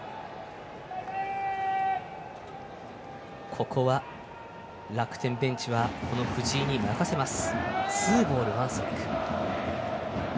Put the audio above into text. ここは、楽天ベンチはこの藤井に任せます。